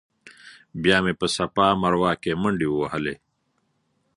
بیا مې په صفا مروه کې منډې ووهلې.